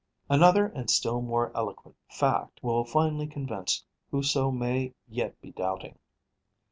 Another and still more eloquent fact will finally convince whoso may yet be doubting.